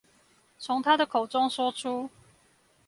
從他的口中說出